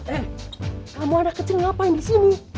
eh kamu anak kecil ngapain di sini